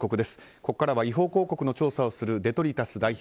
ここからは違法広告の調査をするデトリタスの代表